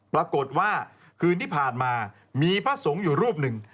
เมื่อคืนที่ผ่านมามีพระสงฆ์อยู่รูปหนึ่ง